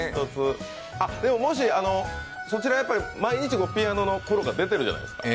でも、そちら、毎日ピアノのプロが出てるじゃないですか。